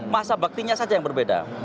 masa baktinya saja yang berbeda